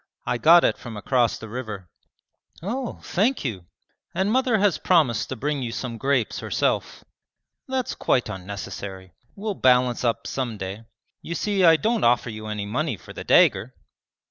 'I got it from across the river.' 'Oh, thank you!' 'And mother has promised to bring you some grapes herself.' 'That's quite unnecessary. We'll balance up some day. You see I don't offer you any money for the dagger!'